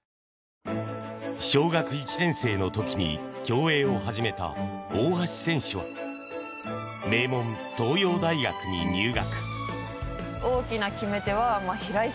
小学１年生の時に競泳を始めた大橋選手は名門・東洋大学に入学。